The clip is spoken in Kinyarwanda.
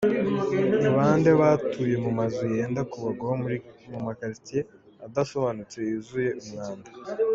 – Ni bande batuye mu mazu yenda kubagwaho, mu maquartiers adasobanutse yuzuye umwanda…?